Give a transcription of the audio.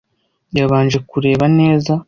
Yabanje kureba neza.